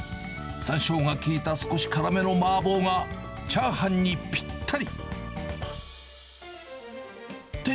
さんしょうが効いた少し辛めの麻婆がチャーハンにぴったり。